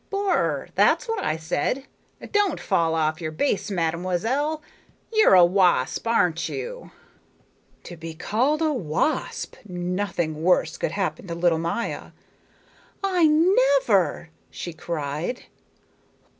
"Borer, that's what I said. Don't fall off your base, mademoiselle. You're a wasp, aren't you?" To be called a wasp! Nothing worse could happen to little Maya. "I never!" she cried.